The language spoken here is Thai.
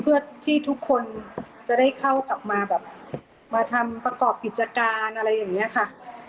เพื่อที่ทุกคนจะได้เข้ากลับมาแบบมาทำประกอบกิจการอะไรอย่างนี้ค่ะ